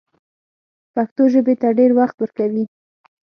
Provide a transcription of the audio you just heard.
پښتو ژبې ته ډېر وخت ورکوي